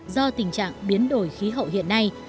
do tình trạng biến đổi khí hậu hiện nay